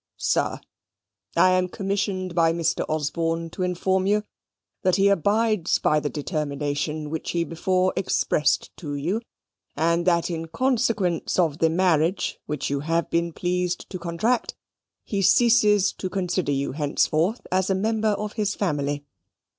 "SIR, "I am commissioned by Mr. Osborne to inform you, that he abides by the determination which he before expressed to you, and that in consequence of the marriage which you have been pleased to contract, he ceases to consider you henceforth as a member of his family.